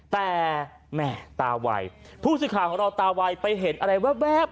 แต่แหม่ตาวัยผู้สิทธิ์ของเราตาวัยไปเห็นอะไรวะแว๊บ